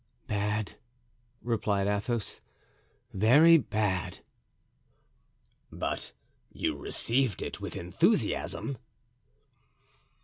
"Bad," replied Athos, "very bad." "But you received it with enthusiasm."